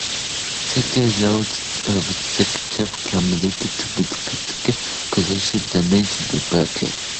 Cyclic loads on a structure can lead to fatigue damage, cumulative damage, or failure.